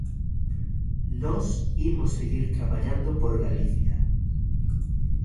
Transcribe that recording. Nós imos seguir traballando por Galicia.